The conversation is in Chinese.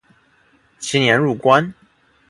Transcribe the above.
其年入关。